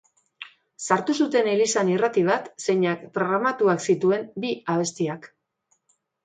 Sartu zuten elizan irrati bat zeinak programatuak zituen bi abestiak.